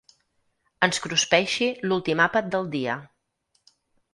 Ens cruspeixi l'últim àpat del dia.